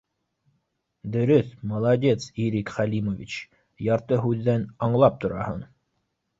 — Дөрөҫ, молодец, Ирек Хәлимович, ярты һүҙҙән аңлап тораһың